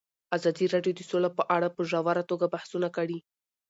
ازادي راډیو د سوله په اړه په ژوره توګه بحثونه کړي.